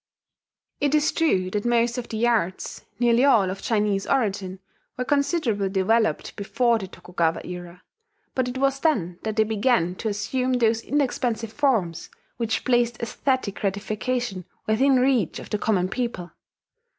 It is true that most of the arts (nearly all of Chinese origin) were considerably developed before the Tokugawa era; but it was then that they began to assume those inexpensive forms which placed aesthetic gratification within reach of the common people.